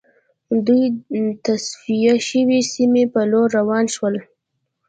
دوی د تصفیه شوې سیمې په لور روان شول